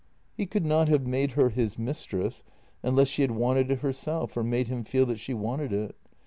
He could not have made her his mistress unless she had wanted it herself or made him feel that she wanted it.